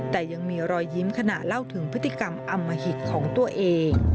แต่ยังมีรอยยิ้มขณะเล่าถึงพฤติกรรมอมหิตของตัวเอง